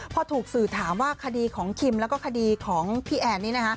พอถูกสื่อถามว่าคดีของคิมแล้วก็คดีของพี่แอนนี่นะคะ